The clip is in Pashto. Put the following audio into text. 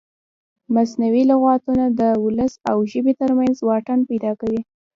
مصنوعي لغتونه د ولس او ژبې ترمنځ واټن پیدا کوي.